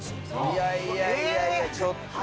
いやいやいやいや、ちょっと。